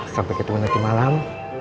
sampai ketemu nanti malam